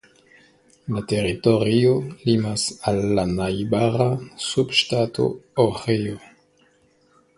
La teritorio limas al la najbara subŝtato Ohio.